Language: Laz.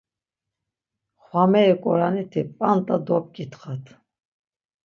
Xvameri Ǩuraniti p̌anda dobǩitxat.